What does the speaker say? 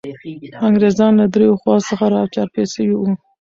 انګریزان له دریو خواوو څخه را چاپېر سوي وو.